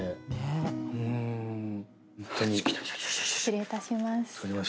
失礼いたします。